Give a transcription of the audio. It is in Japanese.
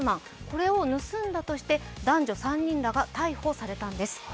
これを盗んだとして男女３人らが逮捕されたんです。